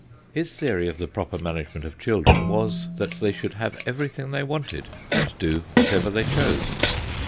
His theory of the proper management of children was, that they should have everything they wanted, and do whatever they chose.